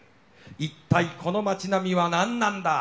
一体この街並みは何なんだ？